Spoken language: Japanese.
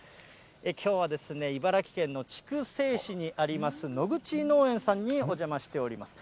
きょうは茨城県の筑西市にあります、野口農園さんにお邪魔しております。